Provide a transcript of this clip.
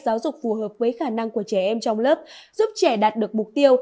giáo dục phù hợp với khả năng của trẻ em trong lớp giúp trẻ đạt được mục tiêu